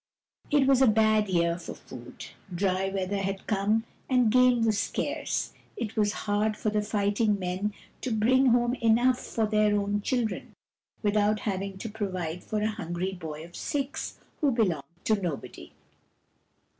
It was a bad year for food. Dry weather had come, and game was scarce ; it was hard for the fighting men to bring home enough for their own children, without having to provide for a hungry boy of six who belonged to nobody.